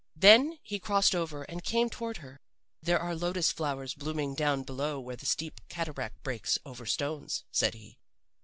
Then he crossed over and came toward her. "'There are lotus flowers blooming down below where the steep cataract breaks over stones,' said he.